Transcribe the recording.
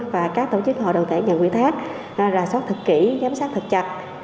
và các tổ chức hội đồng tải nhận quy thách ra soát thật kỹ giám sát thật chặt